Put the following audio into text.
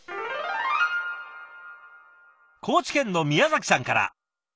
高知県の宮さんから。